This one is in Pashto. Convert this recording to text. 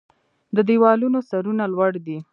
د دیوالونو سرونه لوړ دی